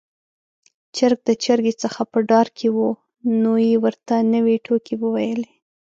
چرګ د چرګې څخه په ډار کې و، نو يې ورته نوې ټوکې وويلې.